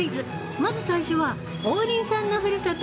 まず最初は、王林さんのふるさと